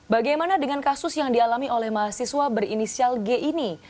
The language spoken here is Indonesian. bagaimana dengan kasus yang dialami oleh mahasiswa berinisial g ini